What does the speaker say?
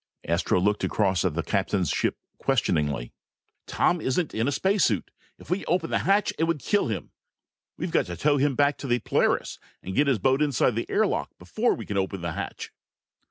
Astro looked across at the captain's ship questioningly. "Tom isn't in a space suit. If we open the hatch it would kill him. We've got to tow him back to the Polaris and get his boat inside the air lock before we can open the hatch!"